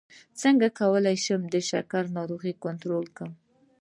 څنګه کولی شم د شکر ناروغي کنټرول کړم